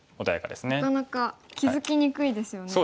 なかなか気付きにくいですよね。